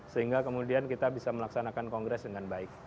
sehingga kemudian kita bisa melaksanakan kongres dengan baik